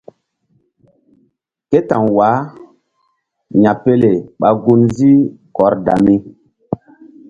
Ké ta̧w wah ya̧pele ɓa gun ziih Kordami.